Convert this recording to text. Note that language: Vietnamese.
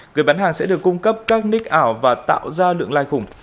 người bán hàng sẽ được cung cấp các nick ảo và tạo ra lượng lai khủng